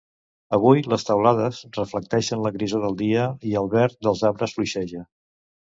Avui les teulades reflecteixen la grisor del dia I el verd dels arbres fluixeja